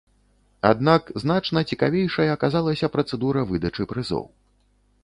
Аднак значна цікавейшай аказалася працэдура выдачы прызоў.